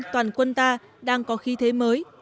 toàn quân ta đang có khí thế mới